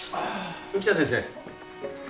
浮田先生。